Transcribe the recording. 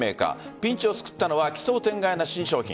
ピンチを救ったのは奇想天外な新商品。